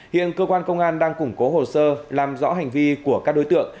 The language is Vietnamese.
hiện cơ quan công an đang củng cố hồ sơ làm rõ hành vi của các đối tượng